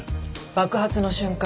爆発の瞬間